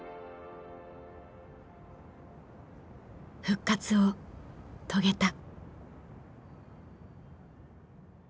復活を遂げた。